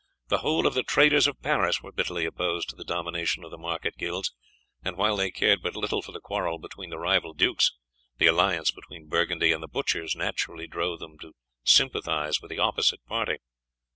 The whole of the traders of Paris were bitterly opposed to the domination of the market guilds, and while they cared but little for the quarrel between the rival dukes, the alliance between Burgundy and the butchers naturally drove them to sympathize with the opposite party.